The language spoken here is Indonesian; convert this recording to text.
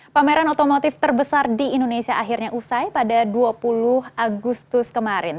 pameran otomotif terbesar di indonesia akhirnya usai pada dua puluh agustus kemarin